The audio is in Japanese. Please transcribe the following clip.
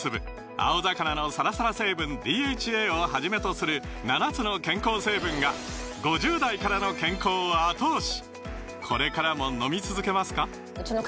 青魚のサラサラ成分ＤＨＡをはじめとする７つの健康成分が５０代からの健康を後押し！